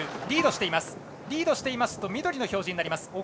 リードしていますと緑の表示になります。